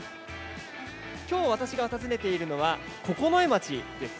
今日、私が訪ねているのは九重町です。